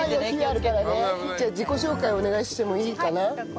じゃあ自己紹介をお願いしてもいいかな？